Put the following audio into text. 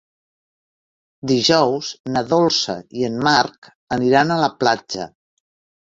Dijous na Dolça i en Marc aniran a la platja.